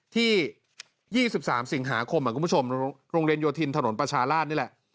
ที่๒๓สิงหาคมคุณผู้ชมโรงเรียนโยธินถนนประชาราชนี่แหละ